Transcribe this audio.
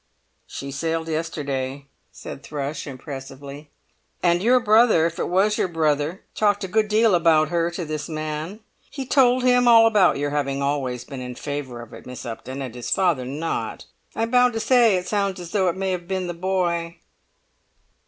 "She sailed yesterday," said Thrush, impressively; "and your brother, if it was your brother, talked a good deal about her to this man. He told him all about your having always been in favour of it, Miss Upton, and his father not. I'm bound to say it sounds as though it may have been the boy."